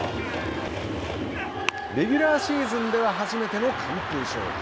レギュラーシーズンでは初めての完封勝利。